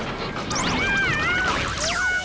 うわ！